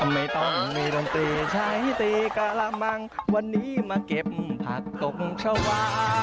ไม่ต้องมีดนตรีใช้ตีกระมังวันนี้มาเก็บผักตกชาวา